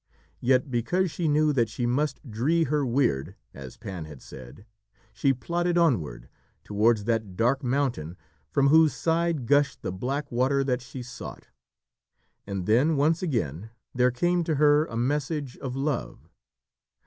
Yet because she knew that she must "dree her weird," as Pan had said, she plodded onward, towards that dark mountain from whose side gushed the black water that she sought. And then, once again, there came to her a message of love.